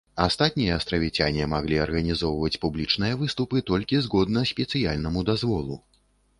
Астатнія астравіцяне маглі арганізоўваць публічныя выступы толькі згодна спецыяльнаму дазволу.